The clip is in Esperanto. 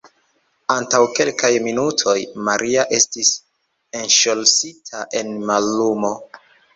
Antaŭ kelkaj minutoj, Maria estis enŝlosita en mallumo.